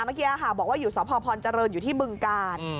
เมื่อกี้บอกว่าอยู่สพพรเจริญอยู่ที่บึงกาล